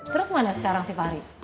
terus mana sekarang si farik